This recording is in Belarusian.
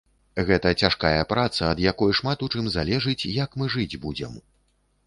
Гэта цяжкая праца, ад якой шмат у чым залежыць, як мы жыць будзем.